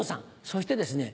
そしてですね